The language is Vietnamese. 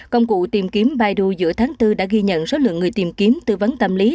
công cụ tìm kiếm biden giữa tháng bốn đã ghi nhận số lượng người tìm kiếm tư vấn tâm lý